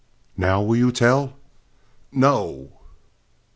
"Now will you tell?" "No!"